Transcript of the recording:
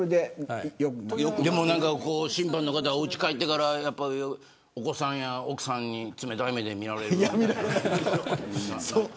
審判の方、おうち帰ってからお子さんや奥さんに冷たい目で見られるみたいな。